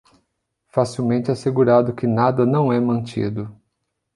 Facilmente assegurado que nada não é mantido.